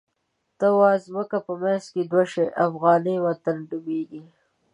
ته واځمکه په منځ دوه شوه، افغانی وطن ډوبیږی